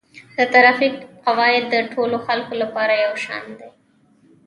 د ترافیک قواعد د ټولو خلکو لپاره یو شان دي.